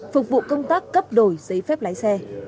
phục vụ công tác cấp đổi giấy phép lái xe